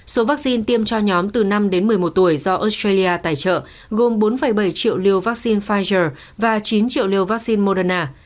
số vaccine tiêm cho nhóm từ năm đến một mươi một tuổi do australia tài trợ gồm bốn bảy triệu liều vaccine pfizer và chín triệu liều vaccine moderna